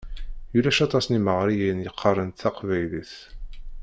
Ulac aṭas n yimeɣriyen yeqqaren taqbaylit.